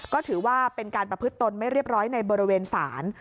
ก็ถือว่าเป็นการประพฤติตนไม่เรียบร้อยในบริเวณศาล